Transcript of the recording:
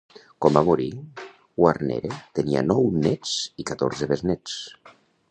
Quan va morir, Guarnere tenia nou nets i catorze besnéts.